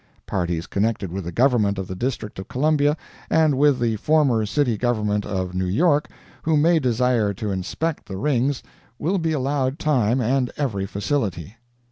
Parties connected with the government of the District of Columbia and with the former city government of New York, who may desire to inspect the rings, will be allowed time and every facility.